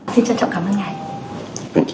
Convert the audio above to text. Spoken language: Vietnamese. xin trân trọng cảm ơn ngài